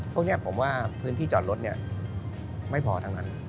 พวกนี้ผมว่าพื้นที่จอดรถไม่พอทั้งนั้น